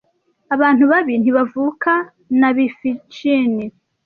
Abantu babi ntibavuka nabivhchinee